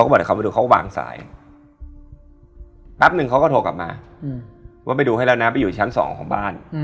ผู้ช่วยผู้จัดการ